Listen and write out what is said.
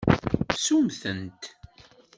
Semmtent.